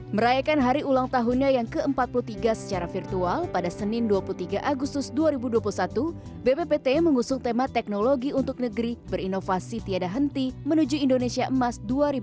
merayakan hari ulang tahunnya yang ke empat puluh tiga secara virtual pada senin dua puluh tiga agustus dua ribu dua puluh satu bppt mengusung tema teknologi untuk negeri berinovasi tiada henti menuju indonesia emas dua ribu dua puluh